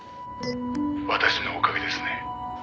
「私のおかげですね」